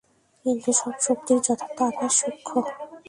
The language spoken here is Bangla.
কিন্তু সব শক্তিরই যথার্থ আধার সূক্ষ্ম।